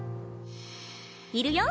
いるよ！